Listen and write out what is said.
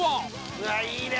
うわっいいね！